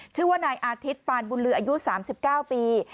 ชื่อว่านายอาทิตย์ปานบุญลืออายุ๓๙ปี